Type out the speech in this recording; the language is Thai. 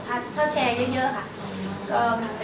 ถ้าแชร์เยอะค่ะ